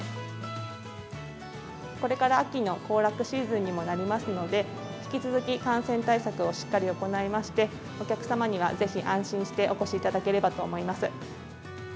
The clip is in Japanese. これから秋の行楽シーズンにもなりますので、引き続き感染対策をしっかり行いまして、お客様にはぜひ、安心してお越しいただければと思います。